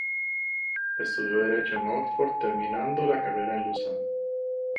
Estudió derecho en Oxford, terminando la carrera en Lausanne.